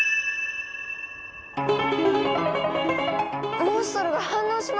モンストロが反応しました！